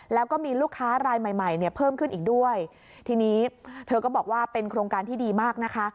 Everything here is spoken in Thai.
แล้วก็มีลูกค้ารายใหม่ใหม่เนี่ยเพิ่มขึ้นอีกด้วยทีนี้เธอก็บอกว่าเป็นโครงการที่ดีมากนะคะ